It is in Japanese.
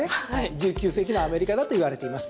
１９世紀のアメリカだといわれています。